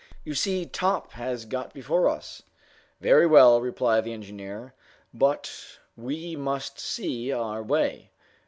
"You see Top has got before us!" "Very well," replied the engineer. "But we must see our way.